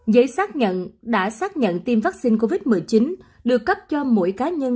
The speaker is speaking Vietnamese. giấy xác nhận đã xác nhận tiêm vaccine covid một mươi chín được cấp cho mỗi cá nhân